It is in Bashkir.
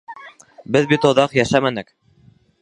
Беҙ бит оҙаҡ йәшәмәнек.